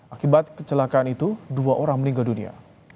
akibat kecelakaan itu dua orang meninggal dunia